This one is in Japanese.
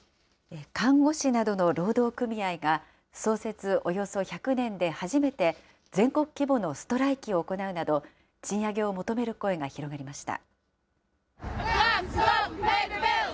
看護師などの労働組合が、創設およそ１００年で初めて全国規模のストライキを行うなど、賃上げを求める声が広がりました。